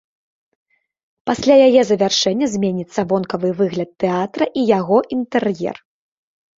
Пасля яе завяршэння зменіцца вонкавы выгляд тэатра і яго інтэр'ер.